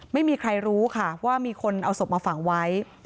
ไม่มีใครรู้ค่ะว่ามีคนเอาศพมาฝังไว้